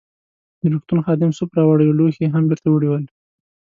د روغتون خادم سوپ راوړی وو، لوښي يې هم بیرته وړي ول.